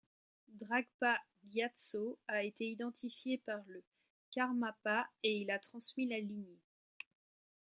Dragpa Gyatso a été identifié par le Karmapa et il a transmis la lignée.